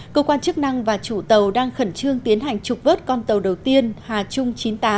cơ quan chức năng và chủ tàu đang khẩn trương tiến hành trục vớt con tàu đầu tiên hà trung chín mươi tám